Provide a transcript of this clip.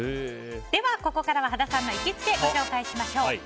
ではここからは羽田さんの行きつけご紹介しましょう。